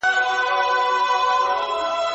څوک په پردیو نه وي ښاغلي